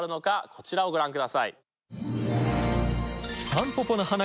こちらをご覧ください。